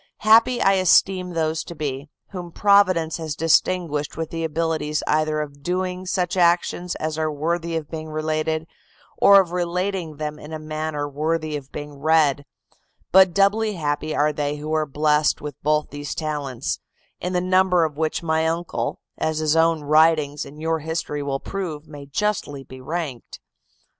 Happy I esteem those to be, whom Providence has distinguished with the abilities either of doing such actions as are worthy of being related, or of relating them in a manner worthy of being read; but doubly happy are they who are blessed with both these talents; in the number of which my uncle, as his own writings and your history will prove, may justly be ranked.